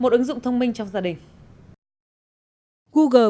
một ứng dụng thông minh trong gia đình